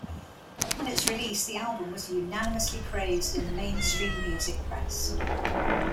Upon its release the album was unanimously praised in the mainstream music press.